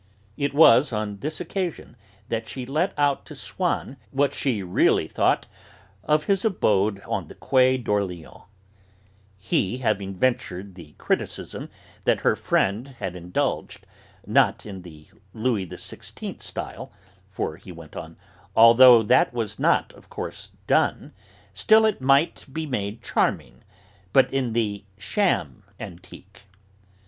It was on this occasion that she let out to Swann what she really thought of his abode on the Quai d'Orléans; he having ventured the criticism that her friend had indulged, not in the Louis XVI style, for, he went on, although that was not, of course, done, still it might be made charming, but in the 'Sham Antique.'